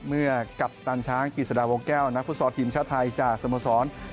เมื่อกัปตันช้างกิจสดาวงแก้วนักพุทธศาสตร์ทีมชาติไทยจากสมสรรค์